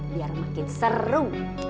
biar makin seru